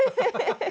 ハハハ。